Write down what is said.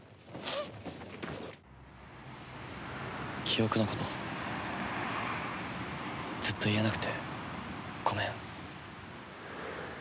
記憶のことずっと言えなくてごめん。